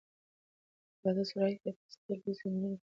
په بادغیس ولایت کې د پستې لوی ځنګلونه په طبیعي ډول شتون لري.